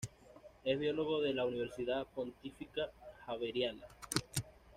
Es biólogo de la Universidad Pontificia Javeriana.